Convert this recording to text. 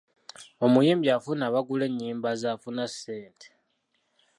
Omuyimbi afuna abagula ennyimba ze afuna ssente.